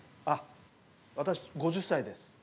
あっ私５０歳です。